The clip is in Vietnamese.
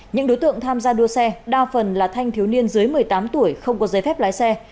những đối tượng tham gia đua xe đa phần là thanh thiếu niên dưới một mươi tám tuổi không có giấy phép lái xe